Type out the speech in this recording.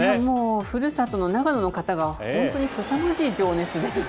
もうふるさとの長野の方が本当にすさまじい情熱で。